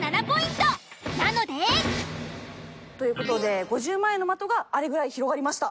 なので。という事で５０万円の的があれぐらい広がりました。